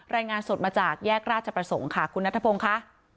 รายงานสดมาจากแยกราชประสงค์ค่ะคุณนัทพงศ์ค่ะ